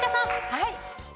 はい。